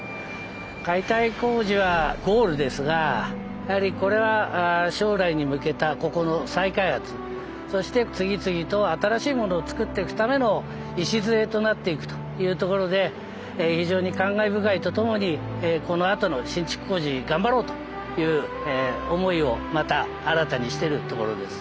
解体工事はゴールですがやはりこれは将来に向けたここの再開発そして次々と新しいものを造っていくための礎となっていくというところで非常に感慨深いとともにこのあとの新築工事頑張ろうという思いをまた新たにしてるところです。